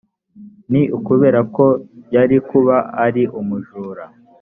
ni ukubera ko yari kuba ari mu ijuru